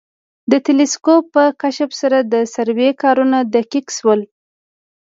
د تلسکوپ په کشف سره د سروې کارونه دقیق شول